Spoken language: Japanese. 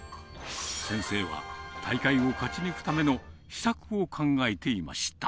先生は、大会を勝ち抜くための秘策を考えていました。